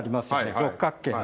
六角形の。